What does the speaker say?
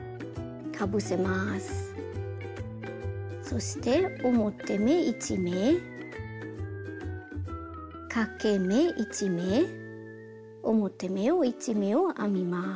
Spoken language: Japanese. そして表目１目かけ目１目表目を１目を編みます。